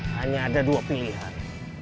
hanya ada dua pilihan